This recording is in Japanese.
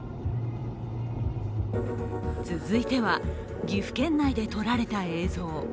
続いては、岐阜県内で撮られた映像。